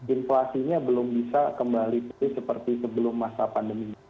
inflasinya belum bisa kembali pulih seperti sebelum masa pandemi